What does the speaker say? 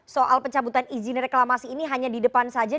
soal pencabutan izin reklamasi ini hanya di depan saja